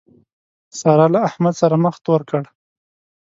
سارا له احمد سره مخ تور کړ.